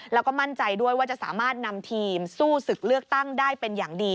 แล้วก็มั่นใจด้วยว่าจะสามารถนำทีมสู้ศึกเลือกตั้งได้เป็นอย่างดี